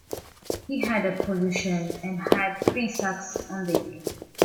He had a position and had three sacks on the year.